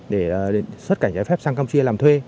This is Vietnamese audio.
để xuất cảnh trái phép sang campuchia làm thuê